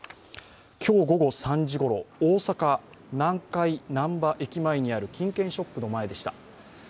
今日午後３時ごろ、大阪南海なんば駅前にある金券ショップの前でした。